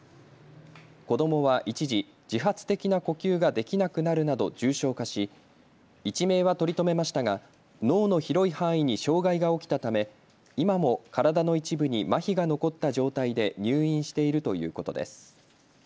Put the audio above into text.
子どもは一時、自発的な呼吸ができなくなるなど重症化し一命は取り留めましたが脳の広い範囲に障害が起きたため今も体の一部にまひが残った状態で入院しているということです。